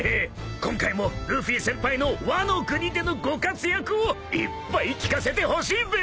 今回もルフィ先輩のワノ国でのご活躍をいっぱい聞かせてほしいべ！